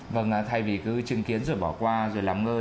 vâng thay vì cứ chứng kiến rồi bỏ qua rồi làm ngơi